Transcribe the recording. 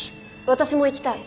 私も行きたい。